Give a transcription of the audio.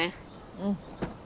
うん。